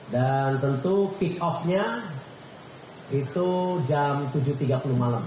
dan tentu kick off nya itu jam tujuh tiga puluh malam